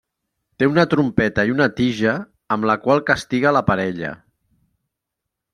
Té una trompeta i una tija amb la qual castiga la parella.